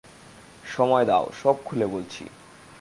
সময় দাও, সব খুলে বলছি।